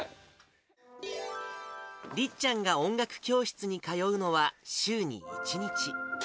りっちゃんが音楽教室に通うのは週に１日。